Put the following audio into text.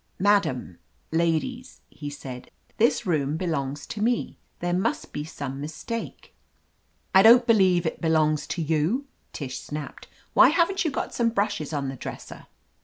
"Madam — ladies," he said, "this room be longs to me. There must be some mistake." "I don*t believe it belongs to you," Tish snapped. "Why haven't you got some brushes pn the dresser?"